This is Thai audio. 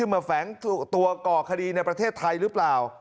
มาแฝงตัวก่อคดีในประเทศไทยหรือเปล่า